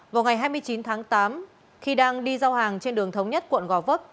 vào ngày hai mươi chín tháng tám khi đang đi giao hàng trên đường thống nhất quận gò vấp